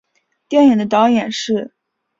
电影的导演是。